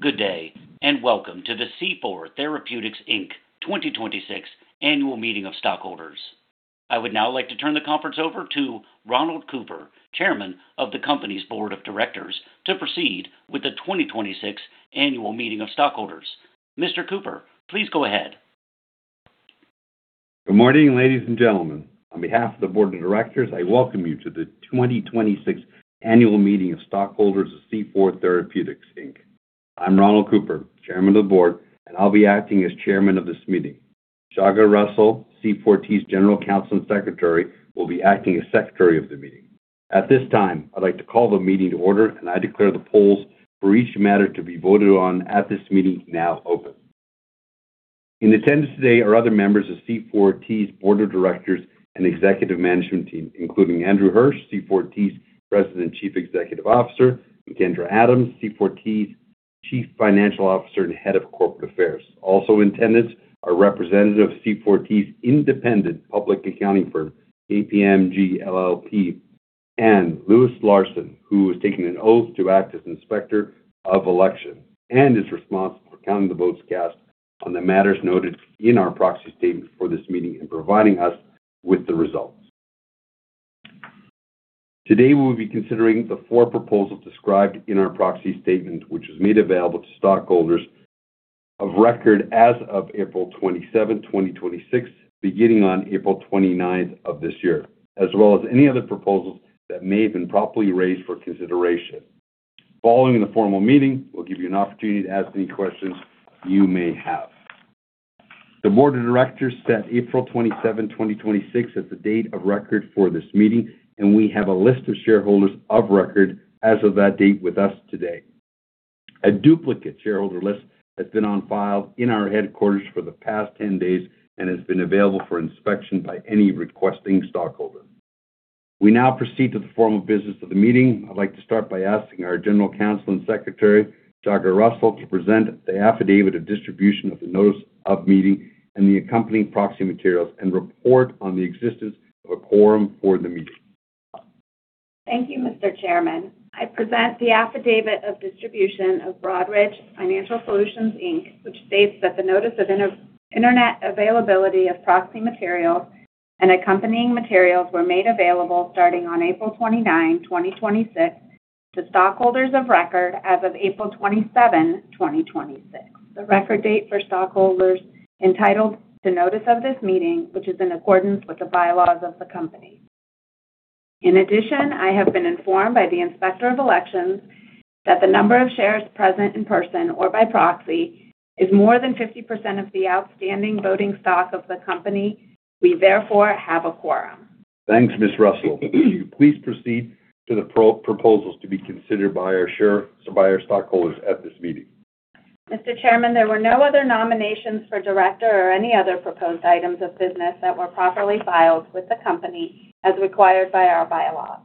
Good day, and welcome to the C4 Therapeutics, Inc. 2026 annual meeting of stockholders. I would now like to turn the conference over to Ronald Cooper, chairman of the company's board of directors, to proceed with the 2026 annual meeting of stockholders. Mr. Cooper, please go ahead. Good morning, ladies and gentlemen. On behalf of the board of directors, I welcome you to the 2026 annual meeting of stockholders of C4 Therapeutics, Inc. I'm Ronald Cooper, chairman of the board, and I'll be acting as chairman of this meeting. Shagha Russell, C4T's general counsel and secretary, will be acting as secretary of the meeting. At this time, I'd like to call the meeting to order, and I declare the polls for each matter to be voted on at this meeting now open. In attendance today are other members of C4T's board of directors and executive management team, including Andrew Hirsch, C4T's President and Chief Executive Officer, and Kendra Adams, C4T's Chief Financial Officer and Head of Corporate Affairs. Also in attendance are representatives of C4T's independent public accounting firm, KPMG LLP, and Louis Larson, who has taken an oath to act as inspector of election and is responsible for counting the votes cast on the matters noted in our proxy statement for this meeting and providing us with the results. Today, we'll be considering the four proposals described in our proxy statement, which was made available to stockholders of record as of April 27, 2026, beginning on April 29th of this year, as well as any other proposals that may have been properly raised for consideration. Following the formal meeting, we'll give you an opportunity to ask any questions you may have. The board of directors set April 27, 2026, as the date of record for this meeting, and we have a list of shareholders of record as of that date with us today. A duplicate shareholder list has been on file in our headquarters for the past 10 days and has been available for inspection by any requesting stockholder. We now proceed to the formal business of the meeting. I'd like to start by asking our general counsel and secretary, Shagha Russell, to present the affidavit of distribution of the notice of meeting and the accompanying proxy materials and report on the existence of a quorum for the meeting. Thank you, Mr. Chairman. I present the affidavit of distribution of Broadridge Financial Solutions, Inc., which states that the notice of internet availability of proxy materials and accompanying materials were made available starting on April 29, 2026, to stockholders of record as of April 27, 2026, the record date for stockholders entitled to notice of this meeting, which is in accordance with the bylaws of the company. In addition, I have been informed by the Inspector of Elections that the number of shares present in person or by proxy is more than 50% of the outstanding voting stock of the company. We therefore have a quorum. Thanks, Ms. Russell. Please proceed to the proposals to be considered by our stockholders at this meeting. Mr. Chairman, there were no other nominations for director or any other proposed items of business that were properly filed with the company as required by our bylaws.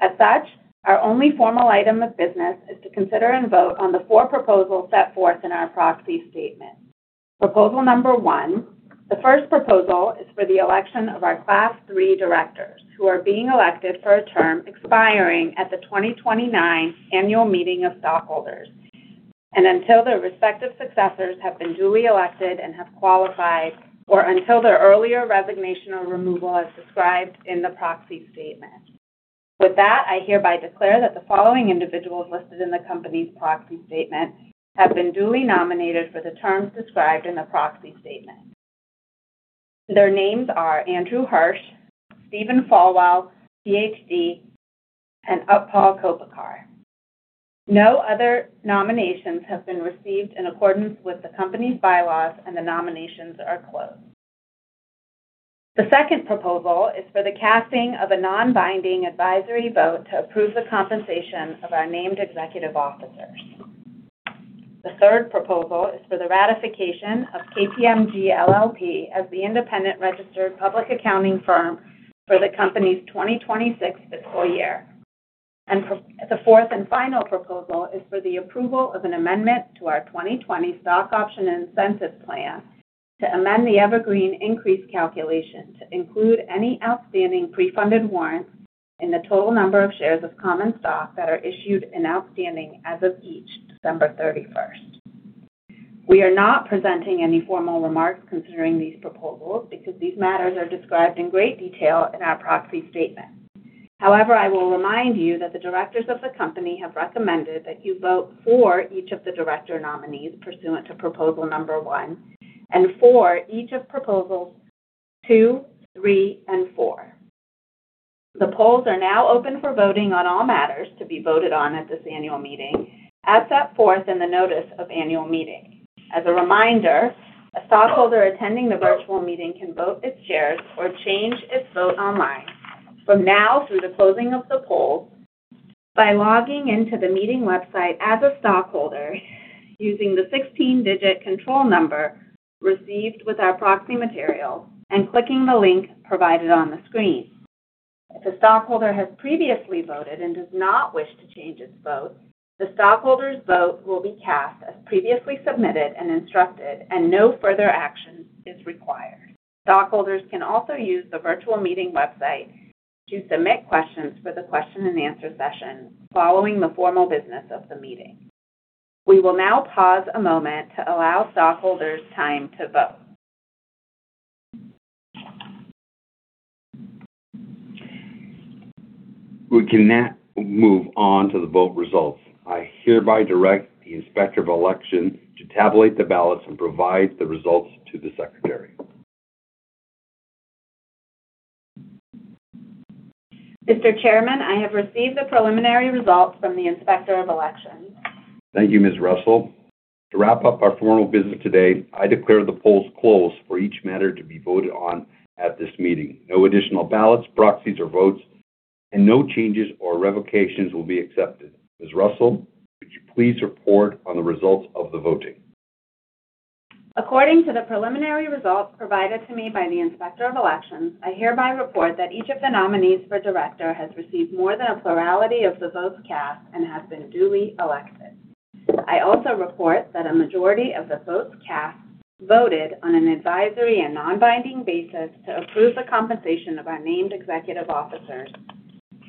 As such, our only formal item of business is to consider and vote on the four proposals set forth in our proxy statement. Proposal number one. The first proposal is for the election of our Class III directors, who are being elected for a term expiring at the 2029 annual meeting of stockholders, and until their respective successors have been duly elected and have qualified, or until their earlier resignation or removal as described in the proxy statement. With that, I hereby declare that the following individuals listed in the company's proxy statement have been duly nominated for the terms described in the proxy statement. Their names are Andrew Hirsch, Stephen Fawell, PhD, and Utpal Koppikar. No other nominations have been received in accordance with the company's bylaws, and the nominations are closed. The second proposal is for the casting of a non-binding advisory vote to approve the compensation of our named executive officers. The third proposal is for the ratification of KPMG LLP as the independent registered public accounting firm for the company's 2026 fiscal year. The fourth and final proposal is for the approval of an amendment to our 2020 Stock Option and Incentive Plan to amend the evergreen increase calculation to include any outstanding pre-funded warrants in the total number of shares of common stock that are issued and outstanding as of each December 31st. We are not presenting any formal remarks considering these proposals because these matters are described in great detail in our proxy statement. I will remind you that the directors of the company have recommended that you vote for each of the director nominees pursuant to proposal 1 and for each of proposals two, three, and four. The polls are now open for voting on all matters to be voted on at this annual meeting as set forth in the notice of annual meeting. As a reminder, a stockholder attending the virtual meeting can vote its shares or change its vote online from now through the closing of the poll by logging in to the meeting website as a stockholder using the 16-digit control number received with our proxy materials and clicking the link provided on the screen. If a stockholder has previously voted and does not wish to change its vote, the stockholder's vote will be cast as previously submitted and instructed and no further action is required. Stockholders can also use the virtual meeting website to submit questions for the question-and-answer session following the formal business of the meeting. We will now pause a moment to allow stockholders time to vote. We can now move on to the vote results. I hereby direct the Inspector of Elections to tabulate the ballots and provide the results to the secretary. Mr. Chairman, I have received the preliminary results from the Inspector of Elections. Thank you, Ms. Russell. To wrap up our formal business today, I declare the polls closed for each matter to be voted on at this meeting. No additional ballots, proxies, or votes, and no changes or revocations will be accepted. Ms. Russell, could you please report on the results of the voting? According to the preliminary results provided to me by the Inspector of Election, I hereby report that each of the nominees for director has received more than a plurality of the votes cast and has been duly elected. I also report that a majority of the votes cast voted on an advisory and non-binding basis to approve the compensation of our named executive officers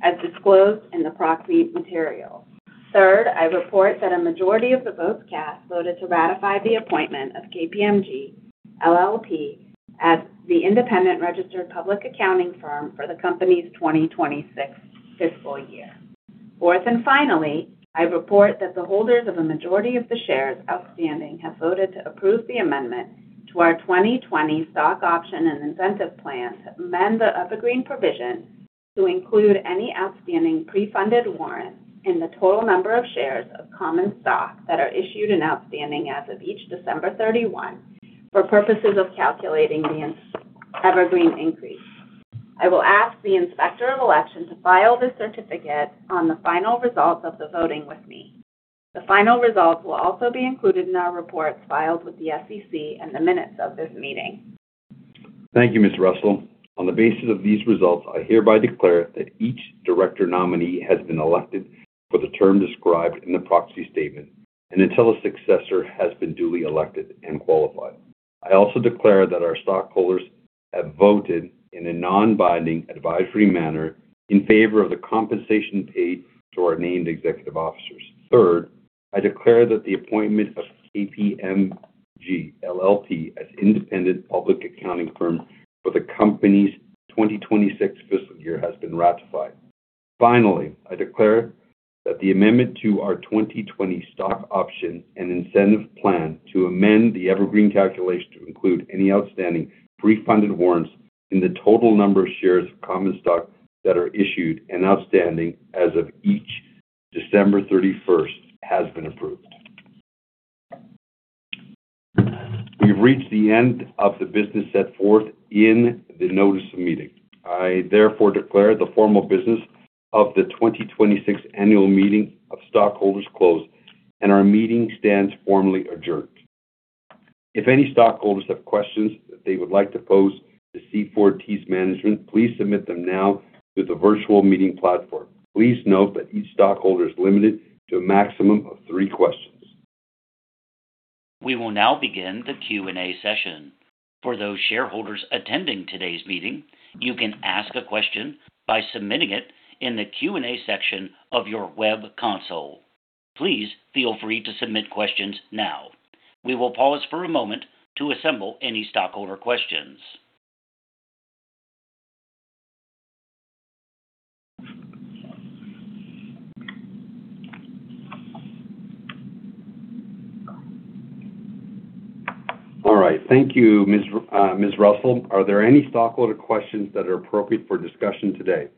as disclosed in the proxy material. Third, I report that a majority of the votes cast voted to ratify the appointment of KPMG LLP as the independent registered public accounting firm for the company's 2026 fiscal year. Fourth, finally, I report that the holders of a majority of the shares outstanding have voted to approve the amendment to our 2020 Stock Option and Incentive Plan to amend the evergreen provision to include any outstanding pre-funded warrants in the total number of shares of common stock that are issued and outstanding as of each December 31 for purposes of calculating the evergreen increase. I will ask the Inspector of Election to file the certificate on the final results of the voting with me. The final results will also be included in our reports filed with the SEC and the minutes of this meeting. Thank you, Ms. Russell. On the basis of these results, I hereby declare that each director nominee has been elected for the term described in the proxy statement and until a successor has been duly elected and qualified. I also declare that our stockholders have voted in a non-binding advisory manner in favor of the compensation paid to our named executive officers. Third, I declare that the appointment of KPMG LLP as independent public accounting firm for the company's 2026 fiscal year has been ratified. Finally, I declare that the amendment to our 2020 Stock Option and Incentive Plan to amend the evergreen calculation to include any outstanding pre-funded warrants in the total number of shares of common stock that are issued and outstanding as of each December 31 has been approved. We've reached the end of the business set forth in the notice of meeting. I therefore declare the formal business of the 2026 annual meeting of stockholders closed, and our meeting stands formally adjourned. If any stockholders have questions that they would like to pose to C4T's management, please submit them now through the virtual meeting platform. Please note that each stockholder is limited to a maximum of three questions. We will now begin the Q&A session. For those shareholders attending today's meeting, you can ask a question by submitting it in the Q&A section of your web console. Please feel free to submit questions now. We will pause for a moment to assemble any stockholder questions. All right. Thank you, Ms. Russell. Are there any stockholder questions that are appropriate for discussion today?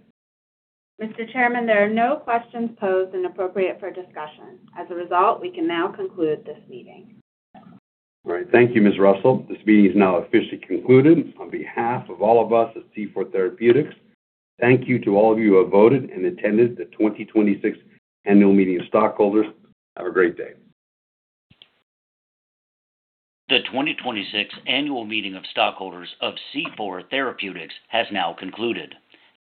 Mr. Chairman, there are no questions posed and appropriate for discussion. As a result, we can now conclude this meeting. All right. Thank you, Ms. Russell. This meeting is now officially concluded. On behalf of all of us at C4 Therapeutics, thank you to all of you who have voted and attended the 2026 Annual Meeting of Stockholders. Have a great day. The 2026 Annual Meeting of Stockholders of C4 Therapeutics has now concluded.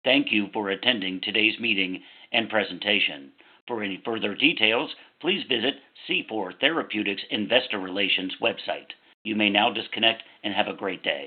Thank you for attending today's meeting and presentation. For any further details, please visit C4 Therapeutics' investor relations website. You may now disconnect and have a great day.